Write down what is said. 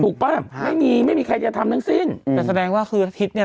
ถูกป่ะอ่าไม่มีไม่มีใครจะทำนั้นสิ้นอืมแต่แสดงว่าคือทิศเนี้ย